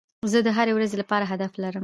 زه د هري ورځي لپاره هدف لرم.